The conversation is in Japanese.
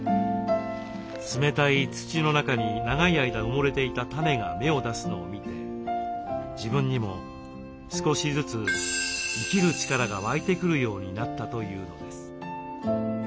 冷たい土の中に長い間埋もれていた種が芽を出すのを見て自分にも少しずつ生きる力が湧いてくるようになったというのです。